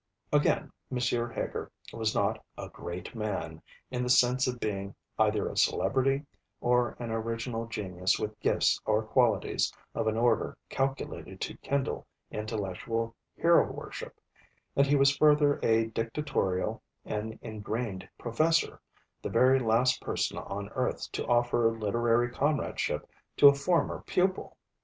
Again, M. Heger was not a 'Great Man,' in the sense of being either a celebrity, or an original genius with gifts or qualities of an order calculated to kindle intellectual hero worship; and he was further a dictatorial and ingrained Professor, the very last person on earth to offer literary comradeship to a former pupil.